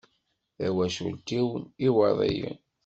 Tawacult-iw n Iwaḍiyen.